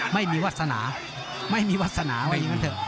ไม่มีวาสนาไม่มีวาสนาว่าอย่างนั้นเถอะ